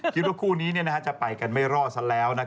คิดว่าคู่นี้จะไปกันไม่รอดซะแล้ว